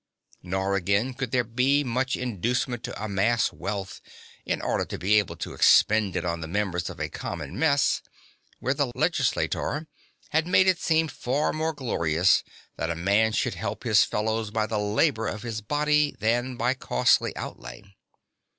Nor again could there be much inducement to amass wealth, in order to be able to expend it on the members of a common mess, where the legislator had made it seem far more glorious that a man should help his fellows by the labour of his body than by costly outlay.